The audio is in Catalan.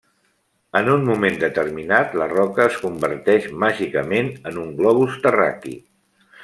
En un moment determinat, la roca es converteix màgicament en un globus terraqüi.